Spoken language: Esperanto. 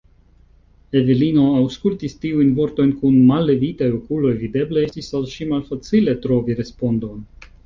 Evelino aŭskultis tiujn vortojn kun mallevitaj okuloj; videble estis al ŝi malfacile trovi respondon.